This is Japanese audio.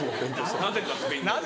なぜかスペイン語。